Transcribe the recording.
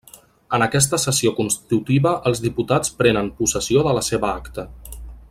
En aquesta sessió constitutiva els diputats prenen possessió de la seva acta.